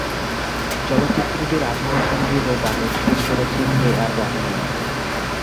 চলচ্চিত্রটির আবহ সঙ্গীত ও গানের সুর করেছেন এ আর রহমান।